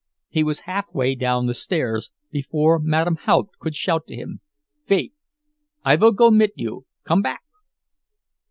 He was halfway down the stairs before Madame Haupt could shout to him: "Vait! I vill go mit you! Come back!"